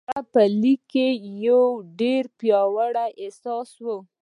د هغه په ليک کې يو ډېر پياوړی احساس و.